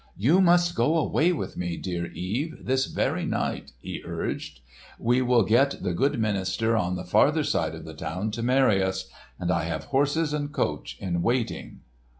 "You must go away with me, dear Eve, this very night," he urged. "We will get the good minister on the farther side of the town to marry us, and I have horses and coach in waiting.